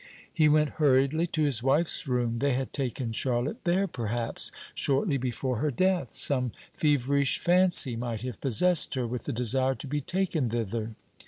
He went hurriedly to his wife's room. They had taken Charlotte there, perhaps, shortly before her death. Some feverish fancy might have possessed her with the desire to be taken thither.